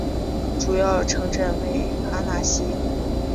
主要城镇为阿讷西。